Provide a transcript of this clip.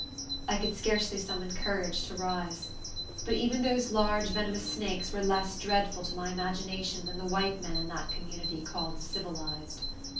I could scarcely summon courage to rise. But even those large, venomous snakes were less dreadful to my imagination than the white men in that community called civilized.